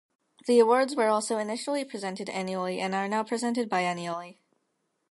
The awards were also initially presented annually and are now presented biennially.